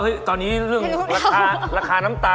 แร้งอ่า